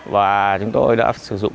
và chúng tôi đã sử dụng